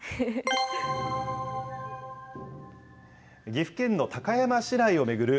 岐阜県の高山市内を巡る